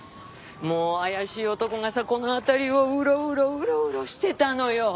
もう怪しい男がさこの辺りをウロウロウロウロしてたのよ。